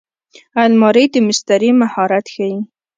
الماري د مستري مهارت ښيي